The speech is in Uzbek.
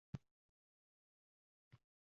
Ammo oʻsha farzand koʻrib, baxtli boʻlmasa